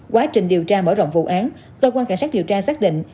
quá trình điều tra mở rộng vụ án cơ quan cảnh sát điều tra xác định